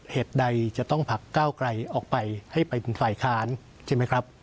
เหตุใดจะต้องผลักก้าวไกลออกไปให้ไปเป็นฝ่ายค้านใช่ไหมครับ